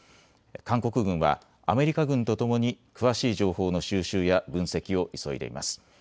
韓国軍はアメリカ軍とともに詳しい情報の収集や分析を急いでいます。